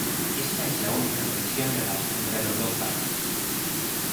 Esta es la única conexión legal entre los dos países.